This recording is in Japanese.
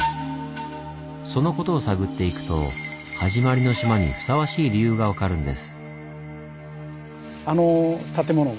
そのことを探っていくと「はじまりの島」にふさわしい理由が分かるんです。